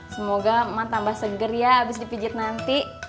semoga man tambah seger ya abis dipijit nanti